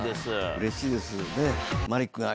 うれしいです。